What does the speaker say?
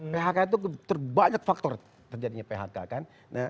phk itu terbanyak faktor terjadinya phk kan